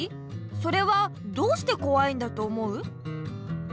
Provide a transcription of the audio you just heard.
それはどうしてこわいんだと思う？